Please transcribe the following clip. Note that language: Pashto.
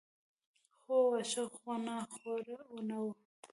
خو واښه خونخواره نه وو.